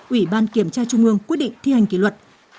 ủy ban kiểm tra trung ương quyết định thi hành kỷ luật